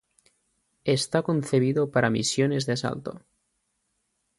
Está concebido para misiones de asalto.